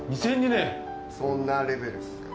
そんなレベルっすよ。